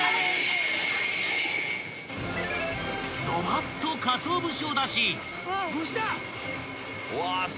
［どばっとかつお節を出し］